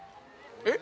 ◆えっ？